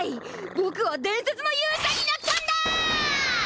ぼくは伝説の勇者になったんだ！